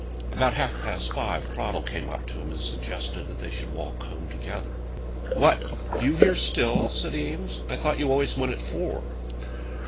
About half past five Cradell came up to him, and suggested that they should walk home together. "What! you here still?" said Eames. "I thought you always went at four."